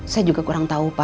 saya juga kurang tahu pak